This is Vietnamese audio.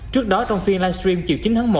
trước đó trong phiên live stream chiều chín tháng một